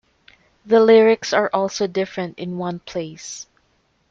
The lyrics are also different in one place.